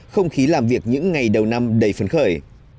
không khí làm việc những ngày đầu năm đầy phấn khởi